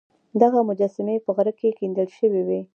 دغه مجسمې په غره کې کیندل شوې وې